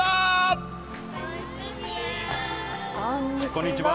こんにちは。